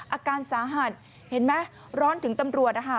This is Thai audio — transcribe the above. อาการสาหัสเห็นไหมร้อนถึงตำรวจนะคะ